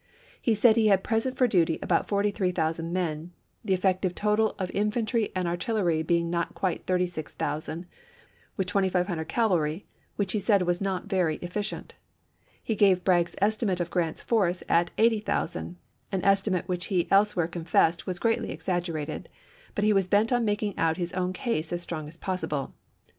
He said he had present for duty about 43,000 men, the effective total of infantry and artillery being not quite 36,000, with 2500 cavalry, which he said was not very efficient. He gave Bragg's estimate of Grant's force at 80,000, an estimate which he else where confessed was greatly exaggerated, but he was bent on making out his own case as strong as possible.